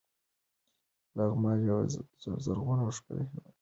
لغمان یو زرغون او ښکلی ولایت ده.